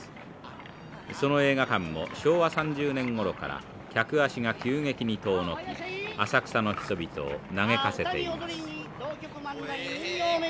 その映画館も昭和３０年ごろから客足が急激に遠のき浅草の人々を嘆かせています。